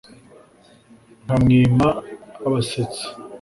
nkamwima abasetsi.